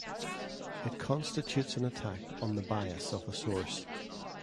It constitutes an attack on the bias of a source.